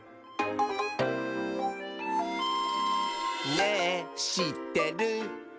「ねぇしってる？」